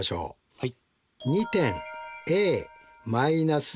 はい。